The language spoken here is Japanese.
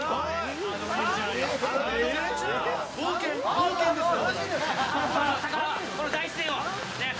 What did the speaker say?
冒険ですよ。